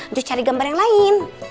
terus cari gambar yang lain